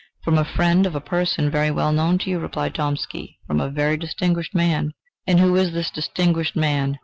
"From a friend of a person very well known to you," replied Tomsky, "from a very distinguished man." "And who is this distinguished man?"